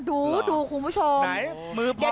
ดูคุณผู้ชม